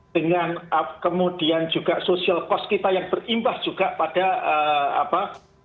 dengan kemudian juga social cost kita yang berimbas juga pada apa